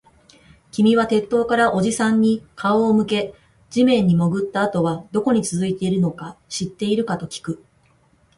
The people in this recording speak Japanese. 君は鉄塔からおじさんに顔を向け、地面に潜ったあとはどこに続いているのか知っているかときく